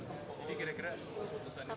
ini kira kira keputusan